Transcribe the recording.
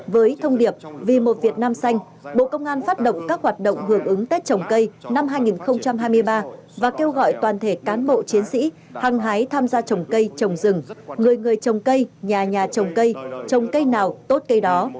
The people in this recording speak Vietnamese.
với thông điệp vì một việt nam xanh bộ công an phát động các hoạt động hưởng ứng tết trồng cây năm hai nghìn hai mươi ba và kêu gọi toàn thể cán bộ chiến sĩ hăng hái tham gia trồng cây trồng rừng người người trồng cây nhà nhà trồng cây trồng cây nào tốt cây đó